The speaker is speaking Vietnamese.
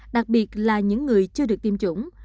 đặc biệt là những người chưa được tiêm chủng